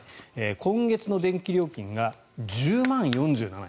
今月の電気料金が１０万４７円。